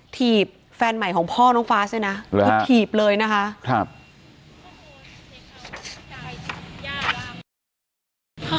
ถีบแฟนใหม่ของพ่อน้องฟ้าด้วยนะคือถีบเลยนะคะ